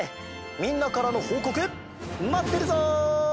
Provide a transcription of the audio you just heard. みんなからのほうこくまってるぞ！